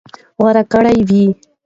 غوره کړى وي.